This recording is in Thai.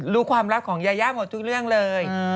รู้ความรักของยายาหมดทุกเรื่องเลย